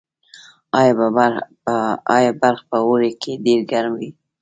آیا بلخ په اوړي کې ډیر ګرم وي؟